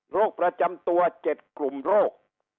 โรคประจำตัว๗กลุ่มโรค